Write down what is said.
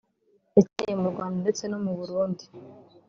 yakiniye mu Rwanda ndetse no mu Burundi